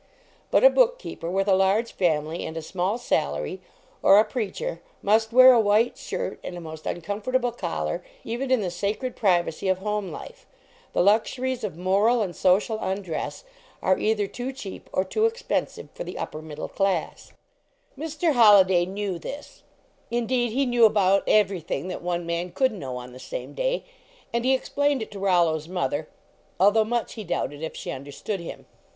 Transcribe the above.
But a book keeper with a large family and a small sal ary, or a preacher, must wear a white shirt and a most uncomfortable collar, even in the sacred privacy of home life. The luxuries of moral and social undress are either too ii LEARNING TO BREATHE cheap or too expensive for the " upper mid dle class." Mr. Holliday knew this ; indeed he knew about everything that one man could know on the same day, and he explained it to Rollo s mother, although much he doubted if she un derstood him.